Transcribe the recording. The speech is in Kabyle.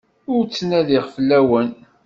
Ur ttnadiɣ fell-awen.